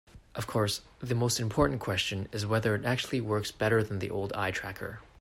Of course, the most important question is whether it actually works better than the old eye tracker.